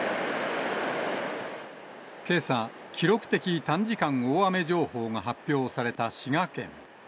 けさ、記録的短時間大雨情報が発表された滋賀県。